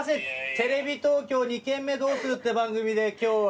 テレビ東京「二軒目どうする？」って番組で今日は。